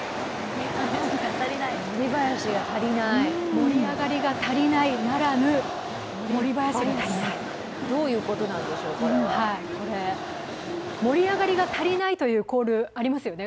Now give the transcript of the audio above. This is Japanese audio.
盛り上がりが足りないならぬ、どういうことなんでしょう、これは。これ、盛り上がりが足りないというコールがありますよね。